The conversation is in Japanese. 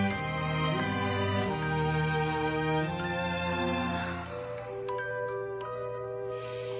はあ。